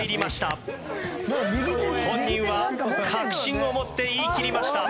本人は確信を持って言いきりました。